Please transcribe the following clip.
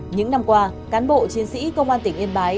những năm qua cán bộ chiến sĩ công an tỉnh yên bái